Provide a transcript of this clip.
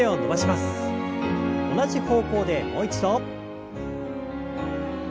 同じ方向でもう一度。